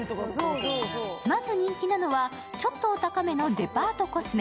まず人気なのは、ちょっとお高めのデパートコスメ。